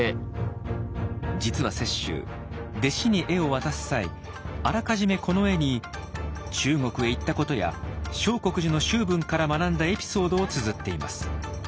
実は雪舟弟子に絵を渡す際あらかじめこの絵に中国へ行ったことや相国寺の周文から学んだエピソードをつづっています。